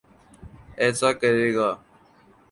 ایسا کرے گا۔